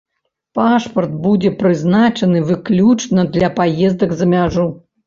Пашпарт будзе прызначаны выключна для паездак за мяжу.